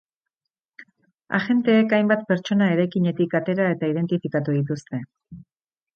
Agenteek hainbat pertsona eraikinetik atera eta identifikatu dituzte.